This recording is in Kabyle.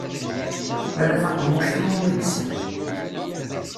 Ala taqemmuc iwumi yessen.